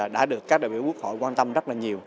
đã được các đại biểu quốc hội quan tâm rất là nhiều